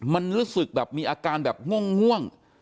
มันรู้สึกแบบมีอาการแบบง่วง